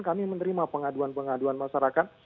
kami menerima pengaduan pengaduan masyarakat